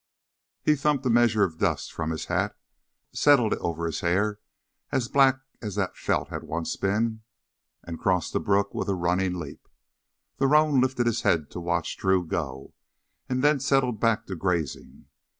He thumped a measure of dust from his hat, settled it over hair as black as that felt had once been, and crossed the brook with a running leap. The roan lifted his head to watch Drew go and then settled back to grazing.